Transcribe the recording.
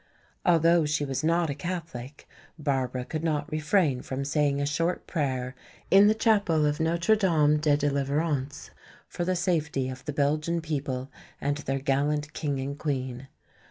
Although she was not a Catholic, Barbara could not refrain from saying a short prayer in the "Chapel of Notre Dame de Deliverance" for the safety of the Belgian people and their gallant king and queen.